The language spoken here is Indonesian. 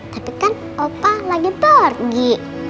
tapi kan opa lagi pergi